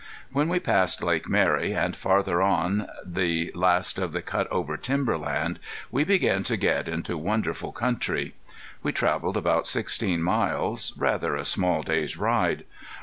When we passed Lake Mary, and farther on the last of the cut over timber land, we began to get into wonderful country. We traveled about sixteen miles, rather a small day's ride.